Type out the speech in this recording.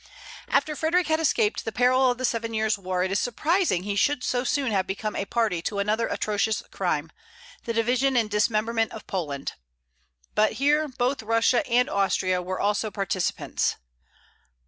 After Frederic had escaped the perils of the Seven Years' War, it is surprising he should so soon have become a party to another atrocious crime, the division and dismemberment of Poland. But here both Russia and Austria were also participants.